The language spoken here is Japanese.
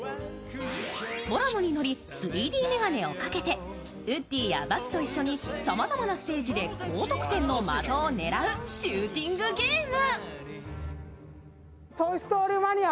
トラムに乗り３Ｄメガネをかけてウッディやバズと一緒にさまざまなステージで高得点の的を狙うシューティングゲーム。